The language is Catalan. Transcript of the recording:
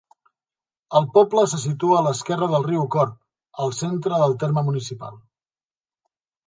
El poble se situa a l'esquerra del riu Corb, al centre del terme municipal.